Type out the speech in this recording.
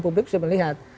publik sudah melihat